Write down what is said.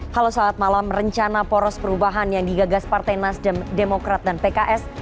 halo saat malam rencana poros perubahan yang digagas partai nasdem demokrat dan pks